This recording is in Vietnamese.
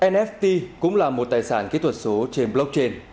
nft cũng là một tài sản kỹ thuật số trên blockchain